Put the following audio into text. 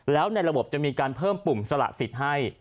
แล้วในระบบจะมีการเพิ่มปุ่มสละสิทธิ์ให้